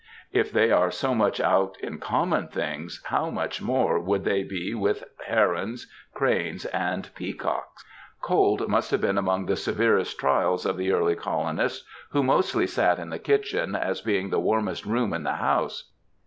If they are so much out in common things, how much more would they be with herons, cranes, and peacock ?" Cold must have been among the severest trials of the early colonists, who mostly sat in the kitchen, as being the warmest room in the house.